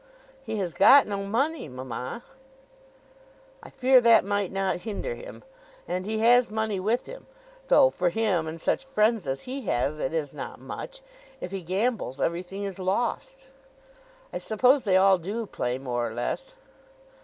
"He has got no money, mamma." "I fear that might not hinder him. And he has money with him, though, for him and such friends as he has, it is not much. If he gambles everything is lost." "I suppose they all do play, more or less."